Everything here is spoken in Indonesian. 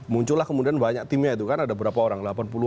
muncullah kemudian banyak timnya itu kan ada berapa orang